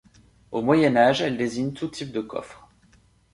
Au Moyen Âge, elle désigne tout type de coffre.